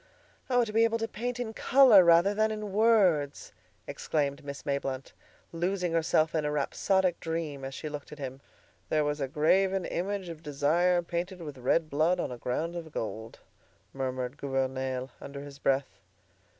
"Oh! to be able to paint in color rather than in words!" exclaimed Miss Mayblunt, losing herself in a rhapsodic dream as she looked at him. "'There was a graven image of Desire Painted with red blood on a ground of gold.'" murmured Gouvernail, under his breath.